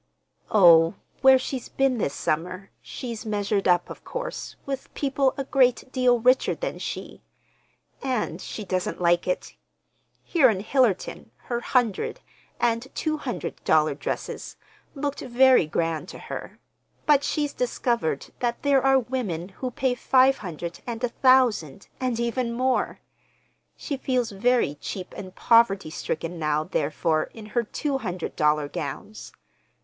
"Oh, where she's been this summer she's measured up, of course, with people a great deal richer than she. And she doesn't like it. Here in Hillerton her hundred—and two hundred dollar dresses looked very grand to her, but she's discovered that there are women who pay five hundred and a thousand, and even more. She feels very cheap and poverty stricken now, therefore, in her two hundred dollar gowns.